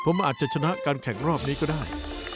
ผมอาจจะชนะการแข่งรอบนี้ก็ได้